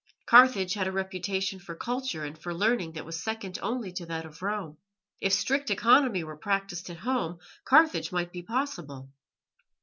Carthage had a reputation for culture and for learning that was second only to that of Rome. If strict economy were practised at home, Carthage might be possible.